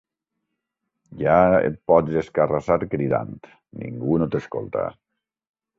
Ja et pots escarrassar cridant: ningú no t'escolta.